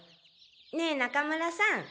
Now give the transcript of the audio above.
ねえ中村さん